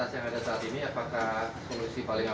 apakah solusi paling awal pemindahan sementara